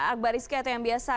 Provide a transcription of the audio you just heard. akbar rizky atau yang biasa